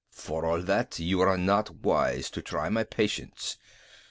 "For all that, you are not wise so to try my patience.